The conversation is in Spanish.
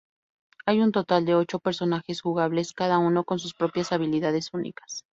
Hay un total de ocho personajes jugables, cada uno con sus propias habilidades únicas.